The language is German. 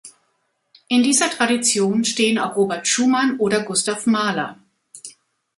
In dieser Tradition stehen auch Robert Schumann oder Gustav Mahler.